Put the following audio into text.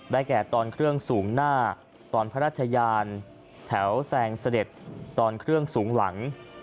แก่ตอนเครื่องสูงหน้าตอนพระราชยานแถวแซงเสด็จตอนเครื่องสูงหลัง